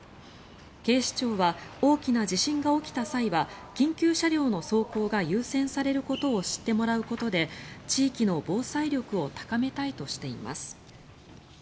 警視庁は大きな地震が起きた際は緊急車両の走行が優先されることを知ってもらうことで地域の防災力を高めたいとしています。